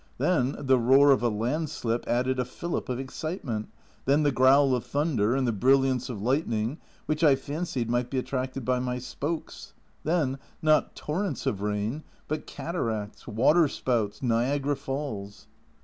Then the roar of a landslip added a fillip of excitement. Then the growl of thunder and the brilliance of light ning, which I fancied might be attracted by my spokes. Then, not torrents of rain, but cataracts, waterspouts, Niagara falls